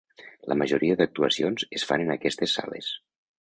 La majoria d'actuacions es fan en aquestes sales.